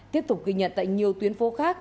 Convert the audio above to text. tiếp tục ghi nhận tại nhiều tuyến phố khác